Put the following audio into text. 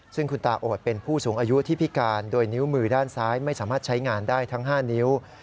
ซึ่งคุณตาโอดเป็นผู้สูงอายุที่พิการโดยนิ้วมือด้านซ้ายไม่สามารถใช้งานได้ทั้ง๕นิ้ว